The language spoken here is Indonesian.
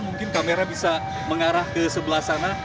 mungkin kamera bisa mengarah ke sebelah sana